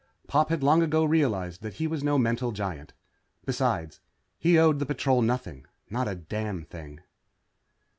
Pop had long ago realized that he was no mental giant. Besides, he owed the Patrol nothing. Not a damned thing.